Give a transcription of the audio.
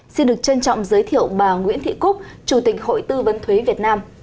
xin được trân trọng giới thiệu bà nguyễn thị cúc chủ tịch hội tư vấn thuế việt nam